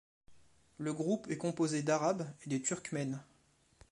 Le groupe est composé d'Arabes et de Turkmènes.